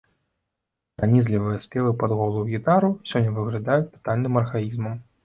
Пранізлівыя спевы пад голую гітару сёння выглядаюць татальным архаізмам.